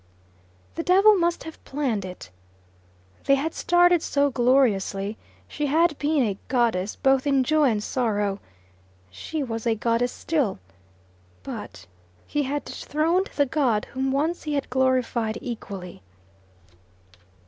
The devil must have planned it. They had started so gloriously; she had been a goddess both in joy and sorrow. She was a goddess still. But he had dethroned the god whom once he had glorified equally.